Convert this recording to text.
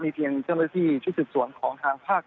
เพียงเจ้าหน้าที่ชุดสืบสวนของทางภาค